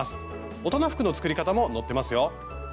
大人服の作り方も載ってますよ。